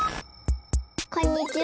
こんにちは！